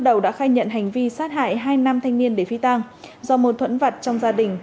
đầu đã khai nhận hành vi sát hại hai nam thanh niên để phi tang do mâu thuẫn vặt trong gia đình